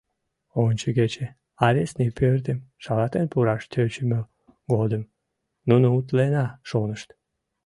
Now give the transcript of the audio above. Ончыгече арестный пӧртым шалатен пураш тӧчымӧ годым нуно утлена шонышт.